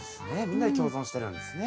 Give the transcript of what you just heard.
みんなで共存してるんですね。